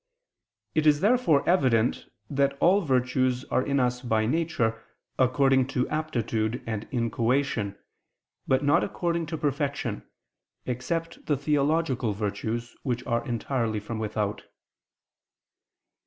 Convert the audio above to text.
It is therefore evident that all virtues are in us by nature, according to aptitude and inchoation, but not according to perfection, except the theological virtues, which are entirely from without.